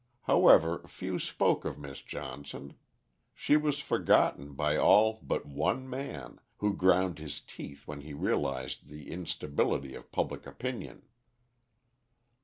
However, few spoke of Miss Johnson, she was forgotten by all but one man, who ground his teeth when he realised the instability of public opinion.